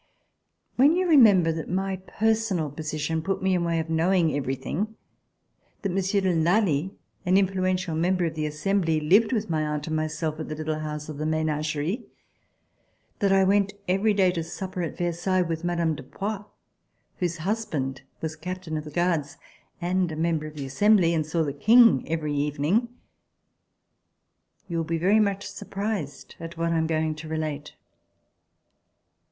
When you remember that my personal position put me in the way of knowing everything; that Monsieur de Lally, an influential member of the Assembly, lived with my aunt and myself at the little house of the Menagerie; that I went every day to supper at Versailles with Mme. de Poix, whose husband was Captain of the Guards and a member of the Assembly, and saw the King every evening, you will be very much surprised at what I am going to relate.